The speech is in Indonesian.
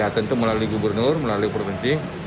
ya tentu melalui gubernur melalui provinsi